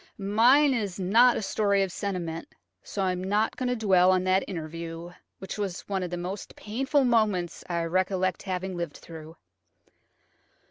Mine is not a story of sentiment, so I am not going to dwell on that interview, which was one of the most painful moments I recollect having lived through.